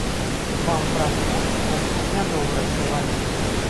Вам праз хустку не добра чуваць.